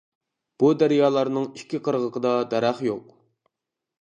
بۇ دەريالارنىڭ ئىككى قىرغىقىدا دەرەخ يوق.